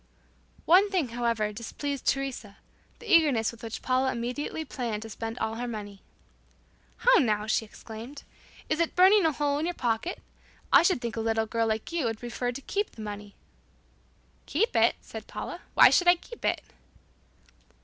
One thing however displeased Teresa the eagerness with which Paula immediately planned to spend all her money. "How now!" she exclaimed, "Is it burning a hole in your pocket? I should think a little girl like you would prefer to keep the money." "Keep it?" said Paula. "Why should I keep it?"